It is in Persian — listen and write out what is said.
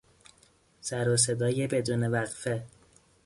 سر و صدای بدون وقفه